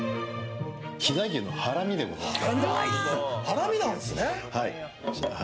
飛騨牛のはらみでございます。